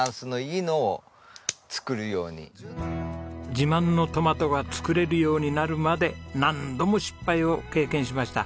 自慢のトマトが作れるようになるまで何度も失敗を経験しました。